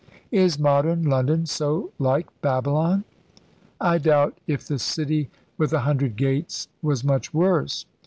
"Is modern London so like Babylon?" "I doubt if the city with a hundred gates was much worse.